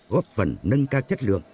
góp phần nâng cao chất lượng